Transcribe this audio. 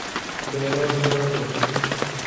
Belav nabe.